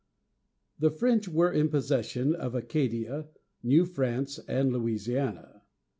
The French were in possession of Acadia, New France, and Louisiana.